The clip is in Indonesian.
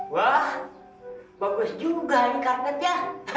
wah bagus juga nih karetnya